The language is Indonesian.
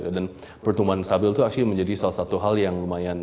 dan pertumbuhan stabil itu actually menjadi salah satu hal yang berkembang